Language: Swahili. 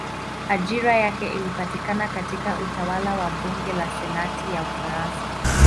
Ajira yake ilipatikana katika utawala wa bunge la senati ya Ufaransa.